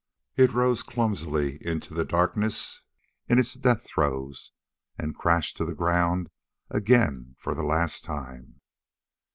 It rose clumsily into the darkness in its death throes and crashed to the ground again for the last time.